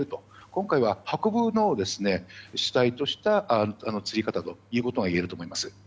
今回は、運ぶことを主体としたつり方だといえると思います。